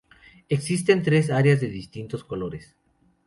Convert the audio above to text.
Existen tres áreas de distintos colores.